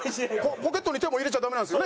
ポケットに手も入れちゃダメなんですよね